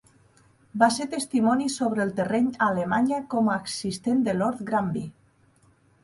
Va ser testimoni sobre el terreny a Alemanya com a assistent de Lord Granby.